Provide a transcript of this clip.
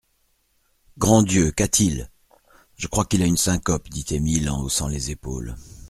Grand Dieu ! qu'a-t-il ? Je crois qu'il a une syncope, dit Émile en haussant les épaules.